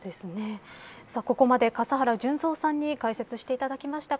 ここまで笠原順三さんに解説していただきました。